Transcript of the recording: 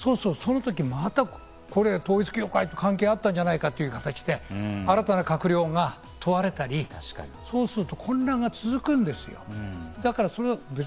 また統一教会と関係あったんじゃないかという形で新たな閣僚が問われたり、そうすると混乱が続くんです。